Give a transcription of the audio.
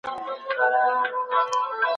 د سولي خبري د جګړي د پای ته رسولو لپاره دي.